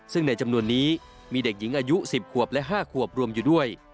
ซึ่งในจำนวนนี้มีเด็กหญิงอายุ๑๐ขวบและ๕ขวบรวมอยู่ด้วย